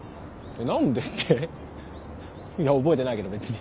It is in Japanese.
何でっていや覚えてないけど別に。